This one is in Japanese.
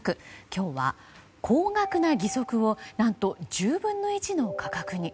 今日は、高額な義足を何と１０分の１の価格に。